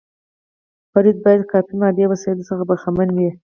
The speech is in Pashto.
فرد باید کافي مادي وسیلو څخه برخمن وي.